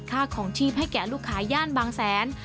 ค่าของชีพให้แก่ลูกค้าย่านบางแสน